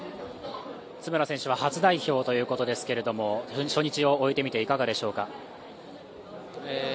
津村選手は初代表ということですけど初日を終えていかがでしょうか？